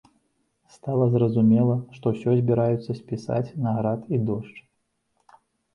Стала зразумела, што ўсё збіраюцца спісаць на град і дождж.